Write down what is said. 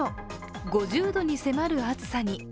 ５０度に迫る暑さに。